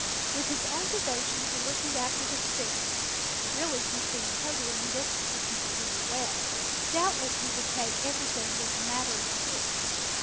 With his own devotion to looking after the sick (really he seemed totally indifferent to people who were well) doubtless he would take everything as a matter of course.